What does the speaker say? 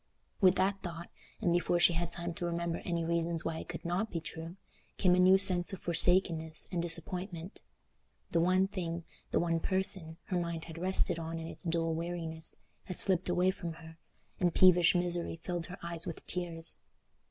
With that thought, and before she had time to remember any reasons why it could not be true, came a new sense of forsakenness and disappointment. The one thing—the one person—her mind had rested on in its dull weariness, had slipped away from her, and peevish misery filled her eyes with tears.